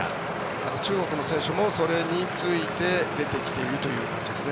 あと中国の選手もそれについて出てきている感じですね。